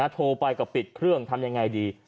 โทรไปก็ปิดเครื่องทำยังไงดี